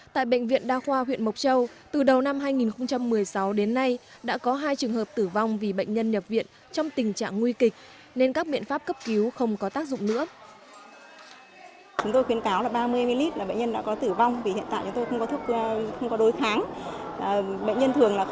tại bệnh viện đa khoa huyện mộc châu từ đầu năm hai nghìn một mươi sáu đến nay đã có hai trường hợp tử vong vì bệnh nhân nhập viện trong tình trạng nguy kịch nên các biện pháp cấp cứu không có tác dụng nữa